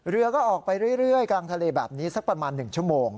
เรือก็ออกไปเรื่อยกลางทะเลแบบนี้สักประมาณ๑ชั่วโมง